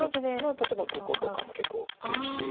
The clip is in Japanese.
例えばこことかも結構大きいし。